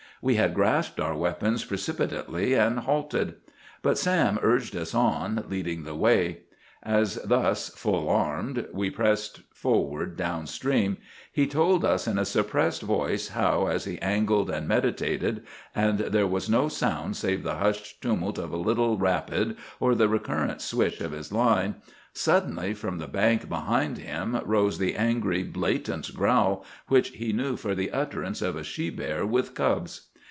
We had grasped our weapons precipitately, and halted. But Sam urged us on, leading the way. As thus full armed we pressed forward down stream, he told us in a suppressed voice how, as he angled and meditated, and there was no sound save the hushed tumult of a little rapid or the recurrent swish of his line, suddenly from the bank behind him rose the angry, blatant growl which he knew for the utterance of a she bear with cubs.